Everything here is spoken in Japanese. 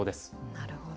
なるほど。